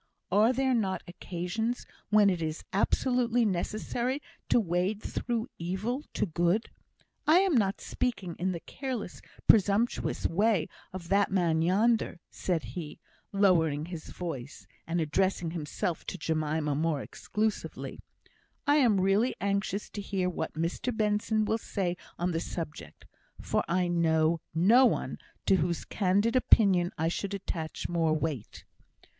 Are there not occasions when it is absolutely necessary to wade through evil to good? I am not speaking in the careless, presumptuous way of that man yonder," said he, lowering his voice, and addressing himself to Jemima more exclusively; "I am really anxious to hear what Mr Benson will say on the subject, for I know no one to whose candid opinion I should attach more weight."